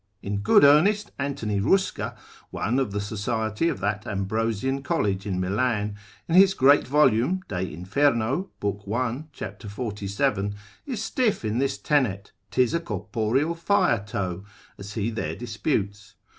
In good earnest, Anthony Rusca, one of the society of that Ambrosian College, in Milan, in his great volume de Inferno, lib. 1. cap. 47. is stiff in this tenet, 'tis a corporeal fire tow, cap. 5. I. 2. as he there disputes.